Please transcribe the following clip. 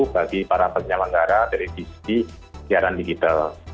bagi para penyelenggara dari sisi siaran digital